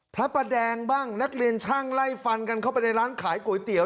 พระประแดงบ้างนักเรียนช่างไล่ฟันกันเข้าไปในร้านขายก๋วยเตี๋ย